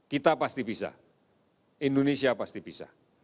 kita pasti bisa indonesia pasti bisa